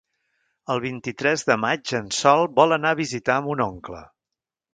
El vint-i-tres de maig en Sol vol anar a visitar mon oncle.